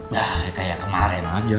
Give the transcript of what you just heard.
yah kayak kemaren aja